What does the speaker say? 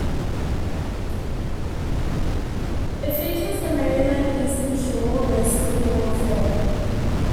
It features the Maryland Eastern Shore Baseball Hall of Fame.